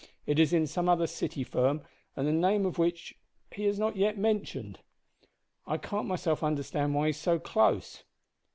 It is in some other City firm, the name of which he has not yet mentioned. I can't myself understand why he is so close!"